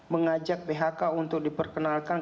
mengajak bhk untuk diperkenalkan